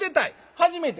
初めて。